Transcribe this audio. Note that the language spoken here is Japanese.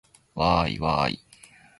わーいわーい